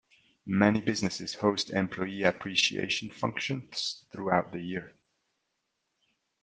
Many businesses host employee appreciation functions throughout the year.